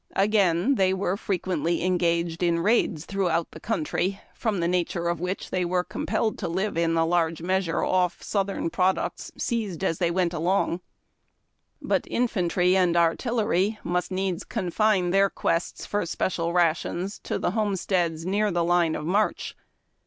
Again, they were fre quently engaged in raids through the country, from the nature of which they were compelled to live in large measure off southern products, seized as they went along ; 242 HARD TACK AND COFFEE. but infantry and artillery must needs confine their quests for special rations to the homesteads near the line of march.